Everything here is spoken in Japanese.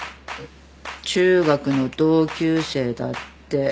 中学の同級生だって。